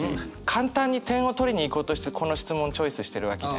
簡単に点を取りにいこうとしてこの質問をチョイスしてるわけじゃないですか。